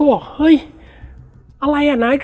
แล้วสักครั้งหนึ่งเขารู้สึกอึดอัดที่หน้าอก